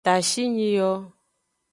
Tashinyi yo.